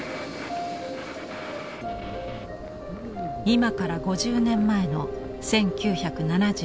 今から５０年前の１９７２年９月。